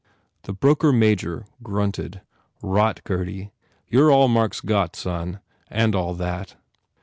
The broker major grunted, "Rot, Gurdy. You re all Mark s got Son, and all that.